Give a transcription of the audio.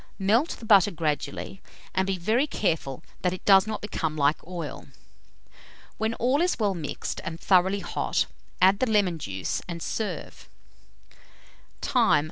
Melt the butter gradually, and be very careful that it does not become like oil. When all is well mixed and thoroughly hot, add the lemon juice, and serve. Time.